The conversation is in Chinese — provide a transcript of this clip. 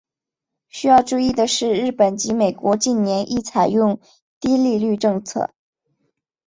需要注意的是日本及美国近年亦采用低利率政策。